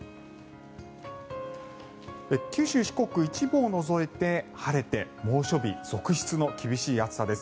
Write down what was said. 九州、四国一部を除いて晴れて猛暑日続出の厳しい暑さです。